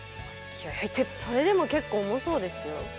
それでも結構重そうですよ。